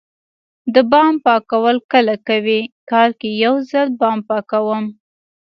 د بام پاکول کله کوئ؟ کال کې یوځل بام پاکوم